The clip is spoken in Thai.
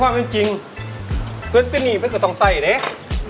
แต่ไม่ค่อยจริงแต่นี้ไปเกือบถ้องใสก็แดง